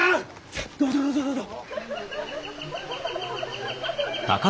さあどうぞどうぞどうぞ！